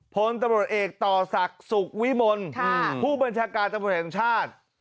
พลตำรวจเอกต่อศักดิ์สุขวิมลผู้บัญชาการตำรวจแห่งชาติ